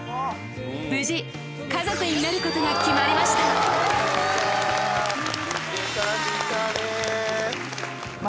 無事家族になることが決まりましたやった！